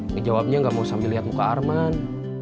ngejawabnya gak mau sambil lihat muka arman